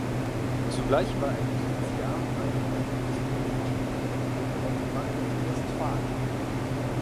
Zugleich war er Justitiar beim Konsistorium und Direktor der Rentenbank für Westfalen.